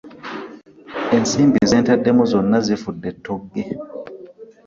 Ensimbi ze ntaddemu zonna zifudde ttogge.